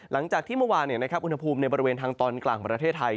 หลังจากที่เมื่อวานอุณหภูมิในบริเวณทางตอนกลางของประเทศไทย